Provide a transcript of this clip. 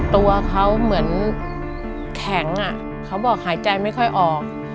ตัวเขาเหมือนแข็งเขาบอกหายใจไม่ค่อยออก